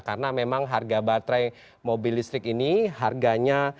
karena memang harga baterai mobil listrik ini harganya